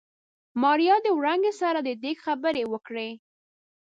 ماريا د وړانګې سره د ديګ خبرې وکړې.